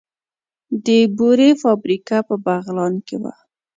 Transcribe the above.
د بورې فابریکه په بغلان کې وه